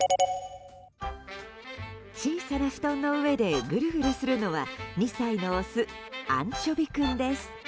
小さな布団の上でグルグルするのは２歳のオス、アンチョビ君です。